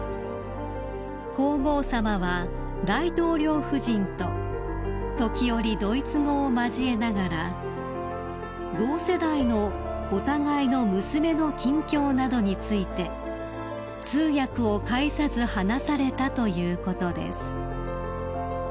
［皇后さまは大統領夫人と時折ドイツ語を交えながら同世代のお互いの娘の近況などについて通訳を介さず話されたということです］